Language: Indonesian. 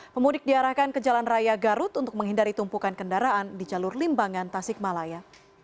pemudik diarahkan ke jalan raya garut untuk menghindari tumpukan kendaraan di jalur limbangan tasikmalaya